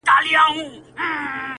• په صفت مړېده نه وه د ټوكرانو,